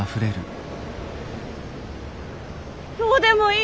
どうでもいい！